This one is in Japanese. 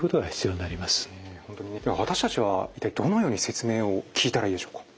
私たちは一体どのように説明を聞いたらいいでしょうか？